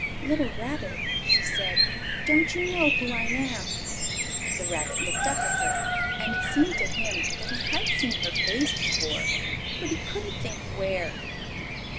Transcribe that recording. "Little Rabbit," she said, "don't you know who I am?" The Rabbit looked up at her, and it seemed to him that he had seen her face before, but he couldn't think where.